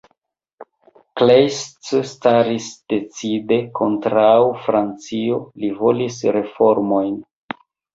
Kleist staris decide kontraŭ Francio, li volis reformojn.